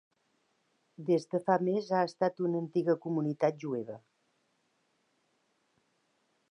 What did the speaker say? Des de fa més ha estat una antiga comunitat jueva.